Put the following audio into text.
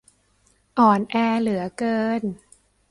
อ่อนแอเหลือเกิน